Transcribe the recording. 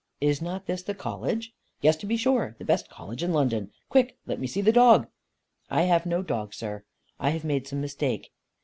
"Is not this the College?" "Yes to be sure. The best College in London. Quick, let me see the dog." "I have no dog, sir. I have made some mistake."